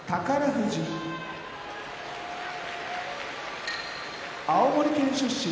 富士青森県出身